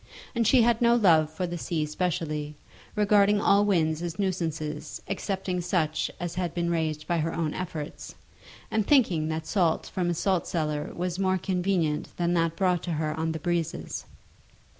And she had no love for the sea specially, regarding all winds as nuisances excepting such as had been raised by her own efforts, and thinking that salt from a saltcellar was more convenient than that brought to her on the breezes.